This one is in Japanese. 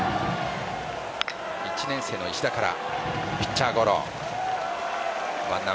１年生の石田から。